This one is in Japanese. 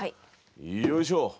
よいしょ。